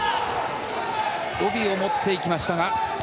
帯を持っていきましたが。